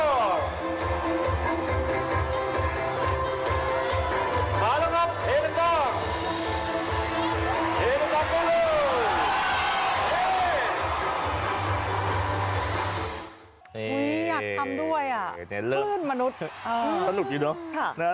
อุ้ยอยากทำด้วยอ่ะคลื่นมนุษย์เออสนุกอยู่เนอะค่ะ